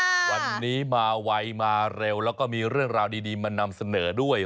วันนี้มาไวมาเร็วแล้วก็มีเรื่องราวดีมานำเสนอด้วย